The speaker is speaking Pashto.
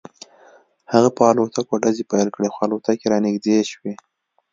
هغه په الوتکو ډزې پیل کړې خو الوتکې رانږدې شوې